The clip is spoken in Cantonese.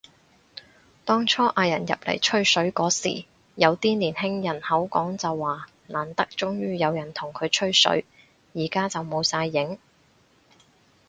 當初嗌人入嚟吹水嗰時，有啲年輕人口講就話難得終於有人同佢吹水，而家就冇晒影